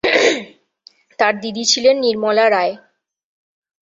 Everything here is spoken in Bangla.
তার দিদি ছিলেন নির্মলা রায়।